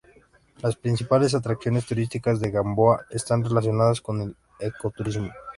Las principales atracciones turísticas de Gamboa están relacionadas con el ecoturismo.